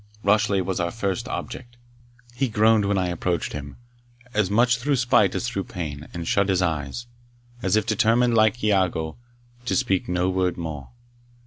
Rashleigh was our first object. He groaned when I approached him, as much through spite as through pain, and shut his eyes, as if determined, like Iago, to speak no word more.